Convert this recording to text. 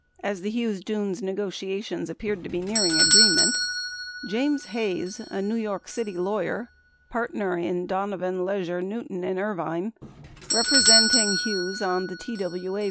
as the Hughes Dunes negotiations appeared to be nearing agreement, 27 James Hayes, a New York City lawyer — partner in Donovan, Leisure, Newton & Irvine — representing Hughes on the TWA v.